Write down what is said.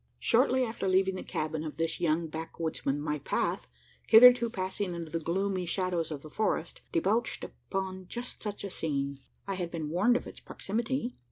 Shortly after leaving the cabin of this young backwoodsman, my path, hitherto passing under the gloomy shadows of the forest, debouched upon just such a scene. I had been warned of its proximity.